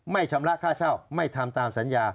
ชำระค่าเช่าไม่ทำตามสัญญา